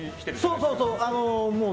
そうそうそう。